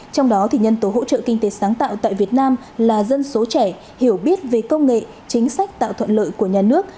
trong đó nhân tố hỗ trợ kinh tế sáng tạo tại việt nam là dân số trẻ hiểu biết về công nghệ chính sách tạo thuận lợi của nhà nước